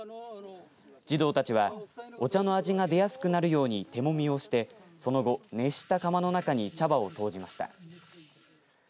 児童たちはお茶の味が出やすくなるように手もみをして、その後熱した釜の中に茶葉を投じました。